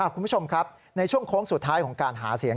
คุณผู้ชมครับในช่วงโค้งสุดท้ายของการหาเสียง